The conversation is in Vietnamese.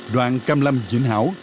đoạn cam lâm vĩnh hảo